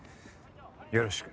よろしく。